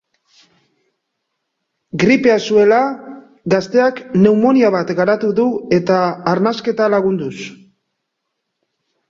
Gripea zuela, gazteak neumonia bat garatu du eta arnasketa lagunduz.